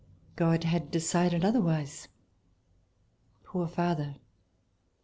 God had decided other wise! Poor father!